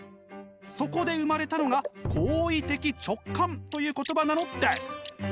そこで生まれたのが「行為的直観」という言葉なのです。